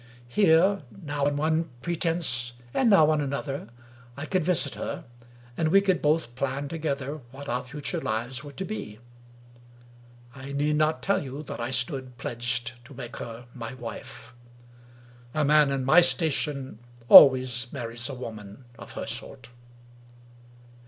Here — now on one pretense and now on another — I could visit her, and we could both plan together what our future lives were to be. I need not tell you that I stood pledged to make her my wife. A man in my station always marries a woman of her sort.